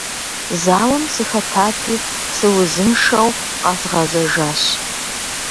Зауэм сыхэтати, сыузыншэу къэзгъэзэжащ.